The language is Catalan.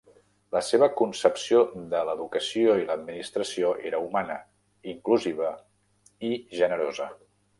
La seva concepció de l'educació i l'administració era humana, inclusiva i generosa.